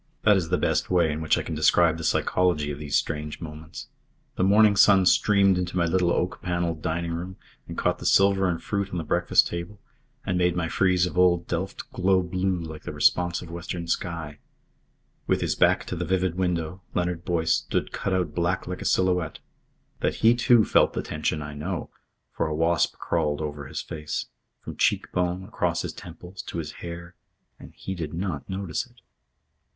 That is the best way in which I can describe the psychology of these strange moments. The morning sun streamed into my little oak panelled dining room and caught the silver and fruit on the breakfast table and made my frieze of old Delft glow blue like the responsive western sky. With his back to the vivid window, Leonard Boyce stood cut out black like a silhouette. That he, too, felt the tension, I know; for a wasp crawled over his face, from cheek bone, across his temples, to his hair, and he did not notice it.